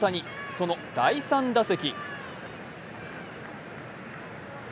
その第３打席。